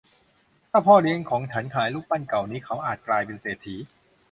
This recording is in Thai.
ถ้าพ่อเลี้ยงของฉันขายรูปปั้นเก่านี้เขาอาจกลายเป็นเศรษฐี